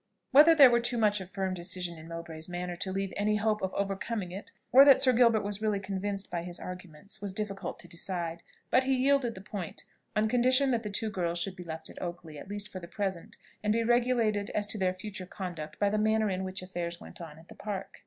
Whether there were too much of firm decision in Mowbray's manner to leave any hope of overcoming it, or that Sir Gilbert was really convinced by his arguments, was difficult to decide; but he yielded the point, on condition that the two girls should be left at Oakley, at least for the present, and be regulated as to their future conduct by the manner in which affairs went on at the Park.